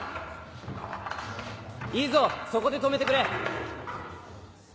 いいぞそこで止めてくれ。